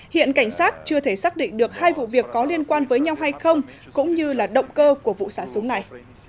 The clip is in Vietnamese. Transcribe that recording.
hiện cảnh sát chưa thể xác định được hai vụ việc có liên quan với nhau hay không cũng như là động cơ của vụ xả súng này